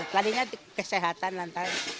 di dapur tadinya kesehatan lantai